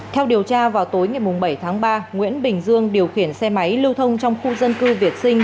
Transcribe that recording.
theo điều tra vào tối ngày bảy tháng ba nguyễn bình dương điều khiển xe máy lưu thông trong khu dân cư việt sinh